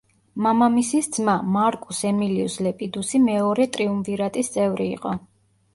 მამამისის ძმა, მარკუს ემილიუს ლეპიდუსი მეორე ტრიუმვირატის წევრი იყო.